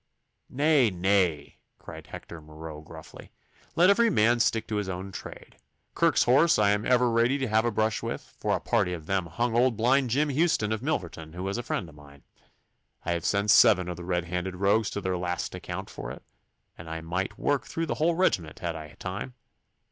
'Nay, nay!' cried Hector Marot gruffly. 'Let every man stick to his own trade. Kirke's Horse I am ever ready to have a brush with, for a party of them hung old blind Jim Houston of Milverton, who was a friend of mine. I have sent seven of the red handed rogues to their last account for it, and might work through the whole regiment had I time.